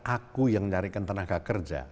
aku yang nyarikan tenaga kerja